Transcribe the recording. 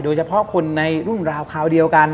โดยเฉพาะคนในรุ่นราวคราวเดียวกัน